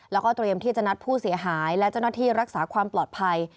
แล้วก็เตรียมที่จะนัดผู้เสียหายและเจ้าหน้าที่รักษาความปลอดภัย